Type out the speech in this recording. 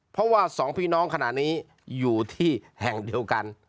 เพราะว่าสองพี่น้องขณะนี้อยู่ที่แห่งเดียวกัน